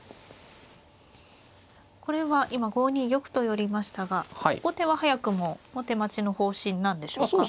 これは今５二玉と寄りましたが後手は早くも手待ちの方針なんでしょうか。